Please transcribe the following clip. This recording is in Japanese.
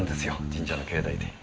神社の境内で。